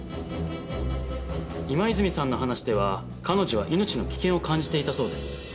今泉さんの話では彼女は命の危険を感じていたそうです。